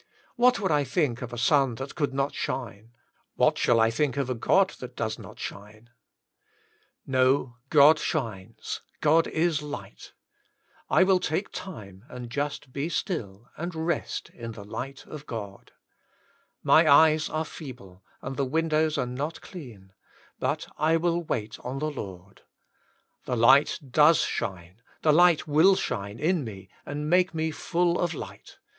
What would I think of a sun that could not shine 1 what shall I think of a God that does not shine ? No, God shines ! God is light ! I will take time, and just be still, and rest in the Ught of God. My eyes are feeble, and the windows are not clean, but I will wait on the Lord. The light does shine, the light will shine in me, and make me full of light.